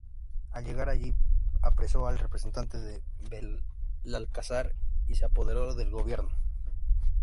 Al llegar allí apresó al representante de Belalcázar y se apoderó del gobierno.